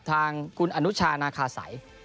ทางคุณอนุชานาคาสัย